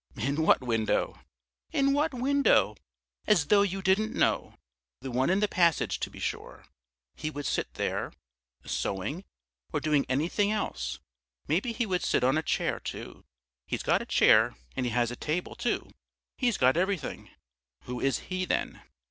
"In what window?" "In what window! As though you didn't know! The one in the passage, to be sure. He would sit there, sewing or doing anything else. Maybe he would sit on a chair, too. He's got a chair; and he has a table, too; he's got everything." "Who is 'he' then?"